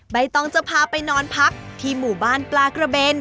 ใบตองจะพาไปนอนพักที่หมู่บ้านปลากระเบน